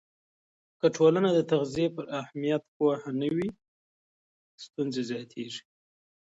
که ټولنه د تغذیې پر اهمیت پوهه نه وي، ستونزې زیاتېږي.